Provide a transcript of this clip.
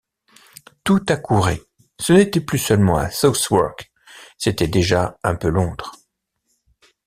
Tout accourait ; ce n’était plus seulement Southwark, c’était déjà un peu Londres.